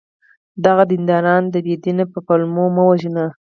دغه دینداران د بې دینی په پلمو مه وژنه!